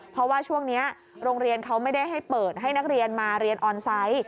เพราะว่าช่วงนี้โรงเรียนเขาไม่ได้ให้เปิดให้นักเรียนมาเรียนออนไซต์